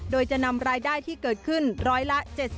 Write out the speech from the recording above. โดยจะนำรายได้ที่เกิดขึ้นร้อยละ๗๐